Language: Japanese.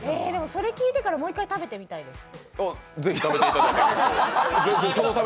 それ聞いてからもう一回食べてみたいです。